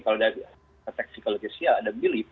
kalau dari protek psikologisial ada belief